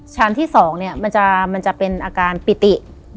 ฉานที่สองเนี้ยมันจะมันจะเป็นอาการปิติ